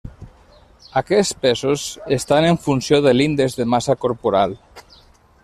Aquests pesos estan en funció de l'índex de massa corporal.